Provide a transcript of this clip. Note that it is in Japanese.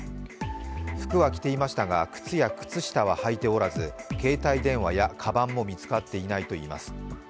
服は着ていましたが靴や靴下ははいておらず携帯電話やかばんも見つかっていないといいます。